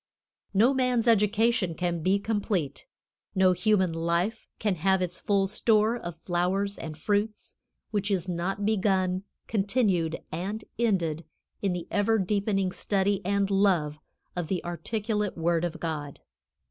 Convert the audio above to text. No man's education can be complete, no human life can have its full store of flowers and fruits, which is not begun, continued and ended in the ever deepening study and love of the articulate word of God.